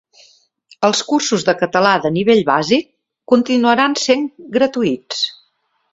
Els cursos de català de nivell bàsic continuaran sent gratuïts.